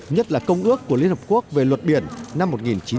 nhất là công ước của liên hợp quốc về luật biển năm một nghìn chín trăm tám mươi hai